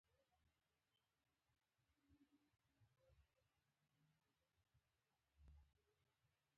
تور قانون په دې څپرکي کې مطالعه کېږي.